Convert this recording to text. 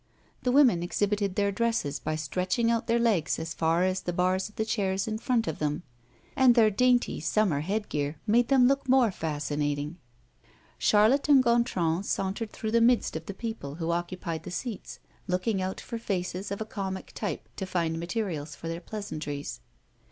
The women exhibited their dresses by stretching out their legs as far as the bars of the chairs in front of them, and their dainty summer head gear made them look more fascinating. Charlotte and Gontran sauntered through the midst of the people who occupied the seats, looking out for faces of a comic type to find materials for their pleasantries.